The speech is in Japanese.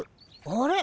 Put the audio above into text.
あれ？